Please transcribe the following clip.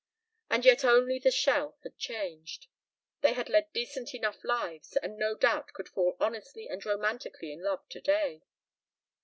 And yet only the shell had changed. They had led decent enough lives and no doubt could fall honestly and romantically in love today.